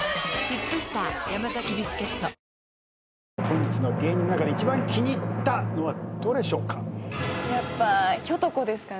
本日の芸人の中で一番気に入ったのはどれでしょうか？